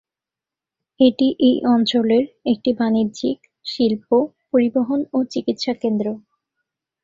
এটি এই অঞ্চলের একটি বাণিজ্যিক, শিল্প, পরিবহন ও চিকিৎসা কেন্দ্র।